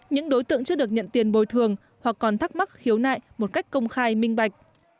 những đối tượng chưa được nhận tiền bồi thường hoặc còn thắc mắc khiếu nại một cách công khai minh bạch